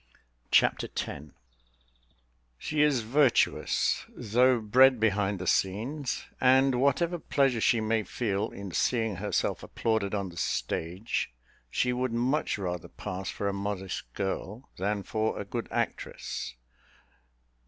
Chapter X She is virtuous, though bred behind the scenes: and, whatever pleasure she may feel in seeing herself applauded on the stage, she would much rather pass for a modest girl, than for a good actress.